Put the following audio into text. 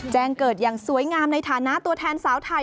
แจ้งเกิดอย่างสวยงามในฐานะตัวแทนสาวไทย